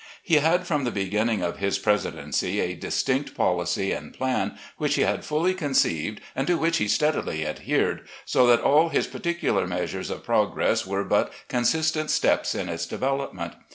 " He had from the beginning of his presidency a distinct policy and plan which he had fully conceived and to which he steadily adhered, so that all Hs particular measures of progress were but consistent steps in its development.